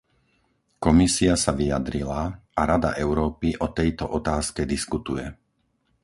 Komisia sa vyjadrila a Rada Európy o tejto otázke diskutuje.